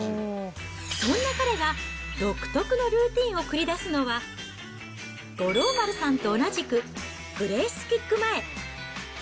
そんな彼が、独特のルーティーンを繰り出すのは、五郎丸さんと同じくプレースキック前。